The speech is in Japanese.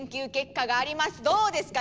どうですか？